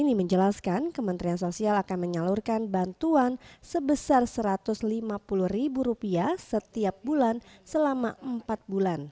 ini menjelaskan kementerian sosial akan menyalurkan bantuan sebesar rp satu ratus lima puluh setiap bulan selama empat bulan